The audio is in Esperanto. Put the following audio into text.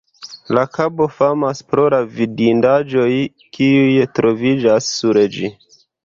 La kabo famas pro la vidindaĵoj, kiuj troviĝas sur ĝi.